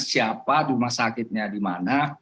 siapa rumah sakitnya di mana